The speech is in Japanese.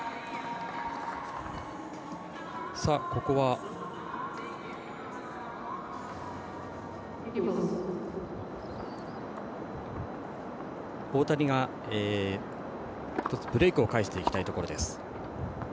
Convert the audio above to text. ここは大谷がブレークを返していきたいところ。